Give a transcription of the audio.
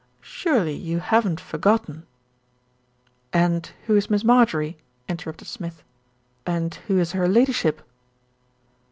Surely you haven't forgotten " "And who is Miss Marjorie?" interrupted Smith, a and who is her Ladyship?"